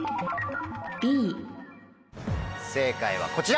正解はこちら。